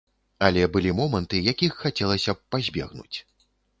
Але былі моманты, якіх хацелася б пазбегнуць.